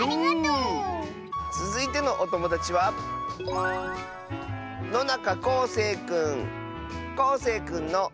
つづいてのおともだちはこうせいくんの。